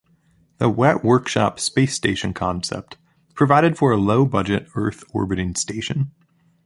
The wet workshop space station concept provided for a low-budget Earth orbiting station.